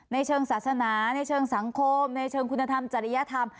ในเชิงศาสนาในเชิงสังคมในเชิงคุณธรรมจริยธรรม